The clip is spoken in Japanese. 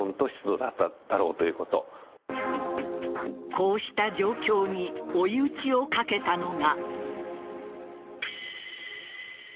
こうした状況に追い打ちをかけたのが。